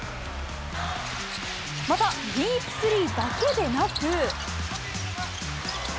また、ディープスリーだけでなく。